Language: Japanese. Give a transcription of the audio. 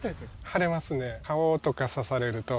腫れますね。